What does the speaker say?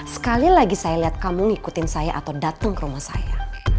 sekali lagi saya lihat kamu ngikutin saya atau datang ke rumah saya